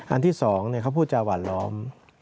อันที่๒เขาพูดจาหวานล้อม